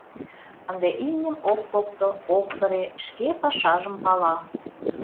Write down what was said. Ынде имньым ок покто, ок кыре — шке пашажым пала.